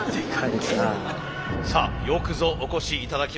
さあよくぞお越しいただきました。